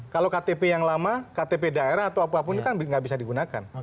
kalau ktp yang lama ktp daerah atau apapun itu kan nggak bisa digunakan